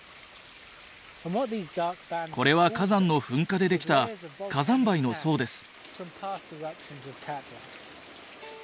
これは火山の噴火でできた火山灰の層です。